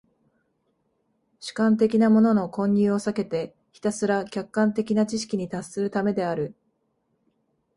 主観的なものの混入を避けてひたすら客観的な知識に達するためである。